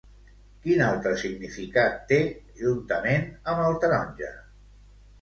Quin altre significat té juntament amb el taronja?